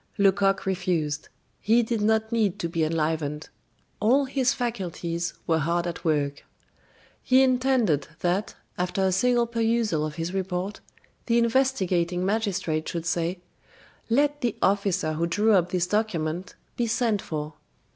Lecoq refused; he did not need to be enlivened. All his faculties were hard at work. He intended that, after a single perusal of his report, the investigating magistrate should say: "Let the officer who drew up this document be sent for."